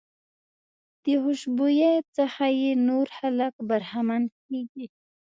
د خوشبويۍ څخه یې نور خلک برخمن کېږي.